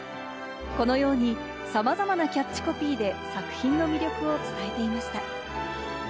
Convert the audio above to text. このように、さまざまなキャッチコピーで作品の魅力を伝えていました。